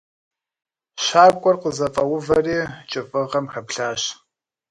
Щакӏуэр къызэфӏэувэри кӏыфӏыгъэм хэплъащ.